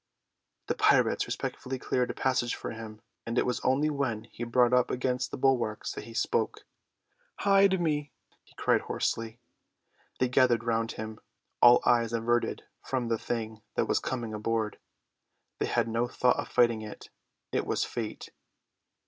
The pirates respectfully cleared a passage for him, and it was only when he brought up against the bulwarks that he spoke. "Hide me!" he cried hoarsely. They gathered round him, all eyes averted from the thing that was coming aboard. They had no thought of fighting it. It was Fate.